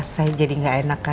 saya jadi gak enak kan